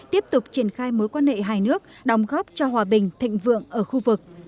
tiếp tục triển khai mối quan hệ hai nước đóng góp cho hòa bình thịnh vượng ở khu vực